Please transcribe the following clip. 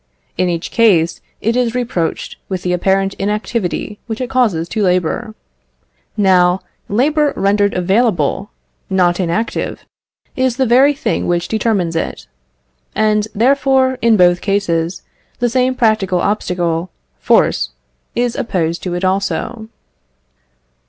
In each case it is reproached with the apparent inactivity which it causes to labour. Now, labour rendered available, not inactive, is the very thing which determines it. And, therefore, in both cases, the same practical obstacle force, is opposed to it also.